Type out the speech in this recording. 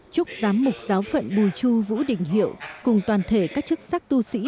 chúc giám mục giáo phận bùi chu vũ đình hiệu cùng toàn thể các chức sắc tu sĩ